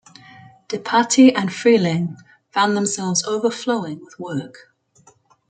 DePatie and Freleng found themselves overflowing with work.